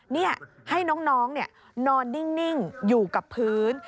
นี่ให้น้องนอนนิ่งอยู่กับพื้น